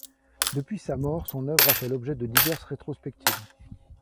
Depuis sa mort son oeuvre a fait l'objet de diverses rétrospectives.